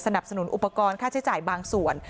สนุนอุปกรณ์ค่าใช้จ่ายบางส่วน